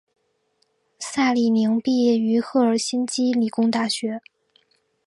萨里宁毕业于赫尔辛基理工大学。